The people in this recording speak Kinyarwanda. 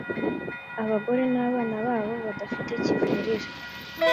abagore n abana babo badafite kivurira